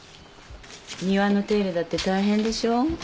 庭の手入れだって大変でしょ。